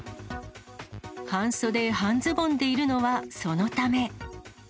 半袖半ズボンでいるのは、そのため。